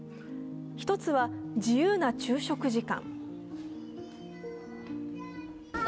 １つは自由な昼食時間。